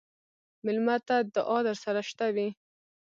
مېلمه ته دعا درسره شته وي.